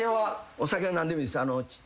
お酒は何でもいいです。